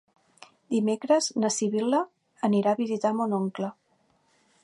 Dimecres na Sibil·la anirà a visitar mon oncle.